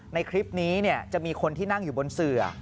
ในคลิปนี้จะมีคนที่นั่งอยู่บนเสือ